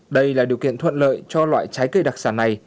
đây là điều kiện thuận lợi cho loại trái cây đặc sản này